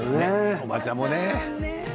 おばあちゃんもね